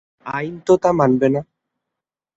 আইন তো তা মানবে না।